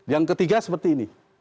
yang ketiga seperti ini